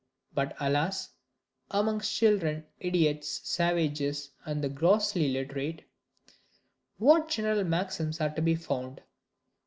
But alas, amongst children, idiots, savages, and the grossly illiterate, what general maxims are to be found?